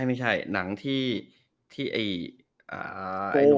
ไม่ใช่หนังที่ที่เนี่ย